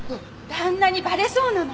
旦那にバレそうなの。